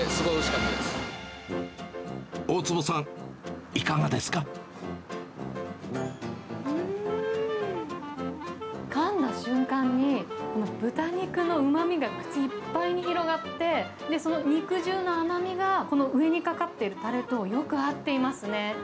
かんだ瞬間に、豚肉のうまみが口いっぱいに広がって、その肉汁の甘みが、この上にかかっているたれとよく合っていますね。